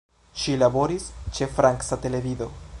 Ŝi laboris ĉe franca televido.